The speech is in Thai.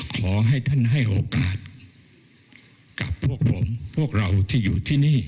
ขอให้ท่านให้โอกาสกับพวกผมพวกเราที่อยู่ที่นี่